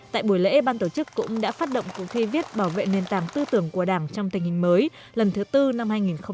tại buổi lễ ban tổ chức cũng đã phát động cuộc thi viết bảo vệ nền tảng tư tưởng của đảng trong tình hình mới lần thứ tư năm hai nghìn hai mươi bốn hai nghìn hai mươi năm